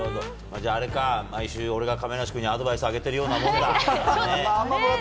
じゃああれか、毎週、俺が亀梨君にアドバイスあげているようなもんか。